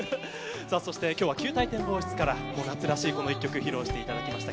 今日は球体展望室から夏らしい曲を披露していただきました。